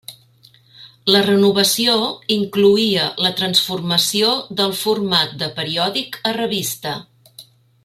La renovació incloïa la transformació del format de periòdic a revista.